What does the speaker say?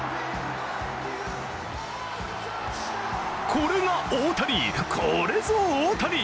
これが大谷、これぞ大谷。